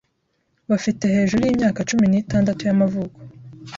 bafite hejuru y'imyaka cumi nitandatu y'amavuko,